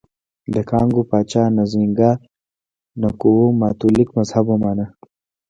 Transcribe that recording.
د کانګو پاچا نزینګا ا نکؤو کاتولیک مذهب ومانه.